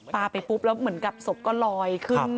ไปปุ๊บแล้วเหมือนกับศพก็ลอยขึ้น